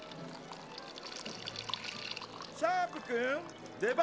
シャープくん出番よ。